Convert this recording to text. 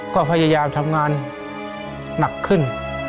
ก็พยายามทำงานหนักขึ้น